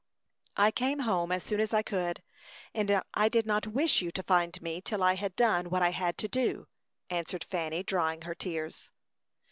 "I came home as soon as I could; and I did not wish you to find me till I had done what I had to do," answered Fanny, drying her tears.